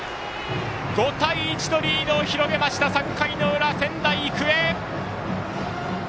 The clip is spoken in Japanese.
５対１とリードを広げました３回の裏、仙台育英。